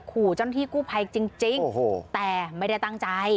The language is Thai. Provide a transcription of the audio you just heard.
ขู่เจ้าหน้าที่กู้ภัยจริงแต่ไม่ได้ตั้งใจ